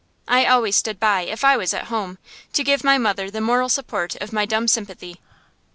I always stood by, if I was at home, to give my mother the moral support of my dumb sympathy.